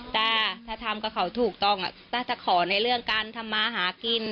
ถ้าทำกับเขาถูกต้องต้าจะขอในเรื่องการทำมาหากิน